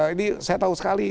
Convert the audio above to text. ini saya tahu sekali